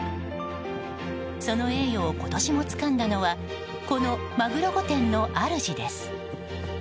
その栄誉を今年もつかんだのはこのマグロ御殿の主です。